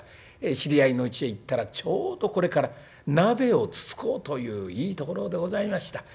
知り合いのうちへ行ったらちょうどこれから鍋をつつこうといういいところでございました。